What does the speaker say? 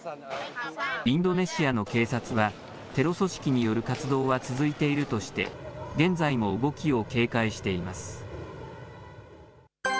インドネシアの警察は、テロ組織による活動は続いているとして、現在も動きを警戒しています。